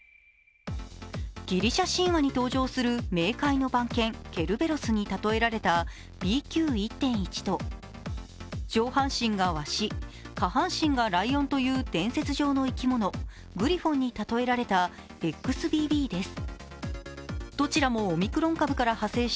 ギリシャ神話に登場する冥界の番犬・ケルベロスにたとえられたＢＱ１．１と上半身が鷲、下半身がライオンという伝説上の生き物グリフォンに例えられたＸＢＢです。